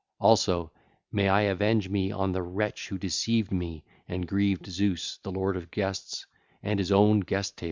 Also may I avenge me on the wretch who deceived me and grieved Zeus the lord of guests and his own guest table.